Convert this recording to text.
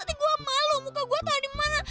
nanti gue malu muka gue tau di mana